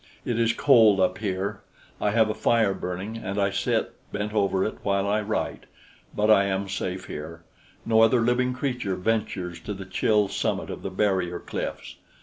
It is cold up here. I have a fire burning and I sit bent over it while I write; but I am safe here. No other living creature ventures to the chill summit of the barrier cliffs.